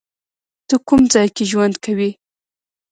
ته کوم ځای کې ژوند کوی؟